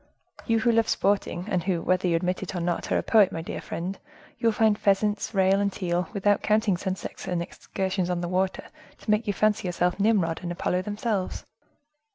You who love sporting, and who, whether you admit it or not, are a poet, my dear friend, you will find pheasants, rail and teal, without counting sunsets and excursions on the water, to make you fancy yourself Nimrod and Apollo themselves.